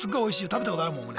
食べたことあるもん俺。